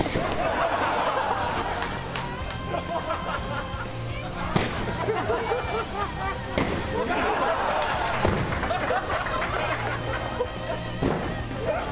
ハハハハ！